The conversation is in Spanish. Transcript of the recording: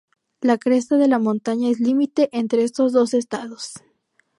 La cresta de la montaña es limite entre estos dos estados.